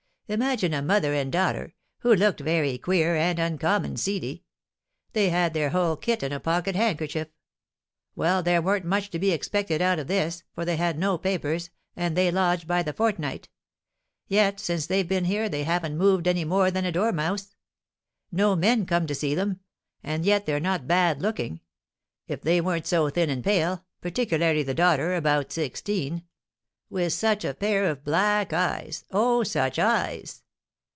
Imagine a mother and daughter, who looked very queer and uncommon seedy; they had their whole kit in a pocket handkerchief. Well, there warn't much to be expected out of this, for they had no papers, and they lodge by the fortnight; yet, since they've been here, they haven't moved any more than a dormouse. No men come to see them; and yet they're not bad looking, if they weren't so thin and pale, particularly the daughter, about sixteen, with such a pair of black eyes, oh, such eyes!"